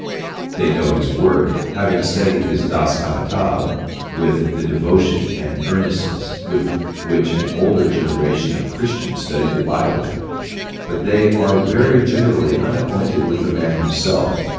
They know his work, having studied his Das Kapital with the devotion and earnestness with which an older generation of Christians studied the Bible, but they are very generally unacquainted with the man himself.